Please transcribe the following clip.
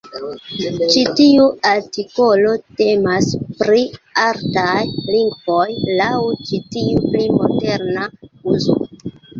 Ĉi tiu artikolo temas pri "artaj lingvoj" laŭ ĉi tiu pli moderna uzo.